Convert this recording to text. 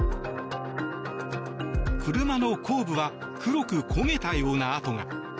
車の後部は黒く焦げたような跡が。